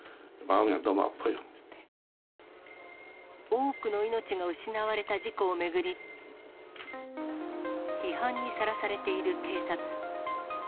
多くの命が失われた事故を巡り、批判にさらされている警察。